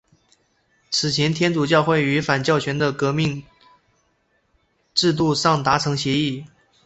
此前天主教会与反教权的革命制度党达成协议。